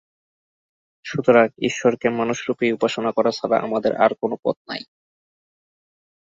সুতরাং ঈশ্বরকে মানুষরূপেই উপাসনা করা ছাড়া আমাদের আর অন্য কোন পথ নাই।